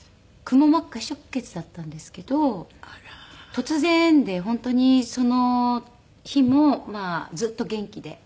突然で本当にその日もずっと元気で。